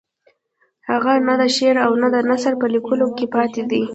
هغه نه د شعر او نه د نثر په لیکلو کې پاتې دی.